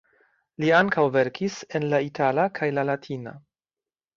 Li ankaŭ verkis en la itala kaj la latina.